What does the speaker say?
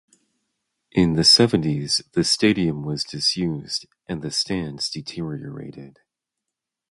In the seventies the stadium was disused, and the stands deteriorated.